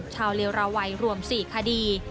เลวราวัยรวม๔คดี